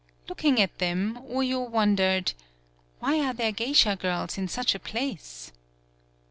Looking at them, Oyo wondered: "Why are there geisha girls in such a place?"